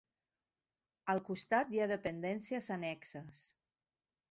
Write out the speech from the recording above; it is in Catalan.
Al costat hi ha dependències annexes.